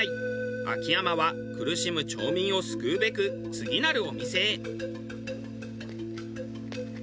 秋山は苦しむ町民を救うべく次なるお店へ。